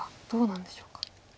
どうなんでしょうか。